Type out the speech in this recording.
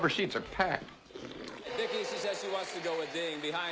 はい。